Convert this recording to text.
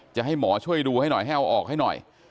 จะให้หมอช่วยดูให้หน่อยให้เอาออกให้หน่อย